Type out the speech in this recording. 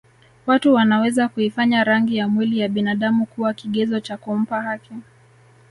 Watu wanaweza kuifanya rangi ya mwili ya binadamu kuwa kigezo cha kumpa haki